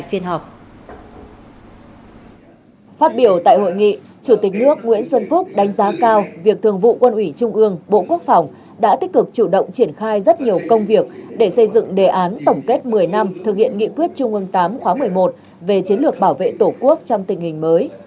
việc thường vụ quân ủy trung ương bộ quốc phòng đã tích cực chủ động triển khai rất nhiều công việc để xây dựng đề án tổng kết một mươi năm thực hiện nghị quyết trung ương tám khóa một mươi một về chiến lược bảo vệ tổ quốc trong tình hình mới